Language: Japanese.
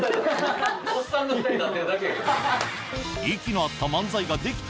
息の合った漫才ができた？